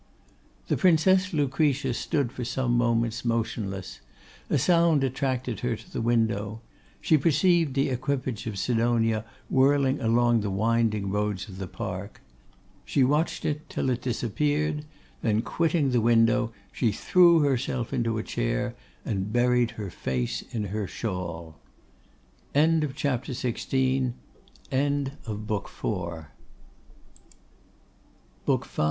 The Princess Lucretia stood for some moments motionless; a sound attracted her to the window; she perceived the equipage of Sidonia whirling along the winding roads of the park. She watched it till it disappeared; then quitting the window, she threw herself into a chair, and buried her face in her shawl. END OF BOOK IV. BOOK V.